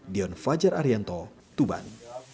dion fajar arianto tuban